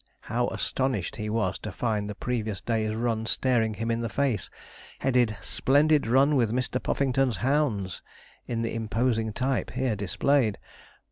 How astonished he was to find the previous day's run staring him in the face, headed 'SPLENDID RUN WITH MR. PUFFINGTON'S HOUNDS,' in the imposing type here displayed.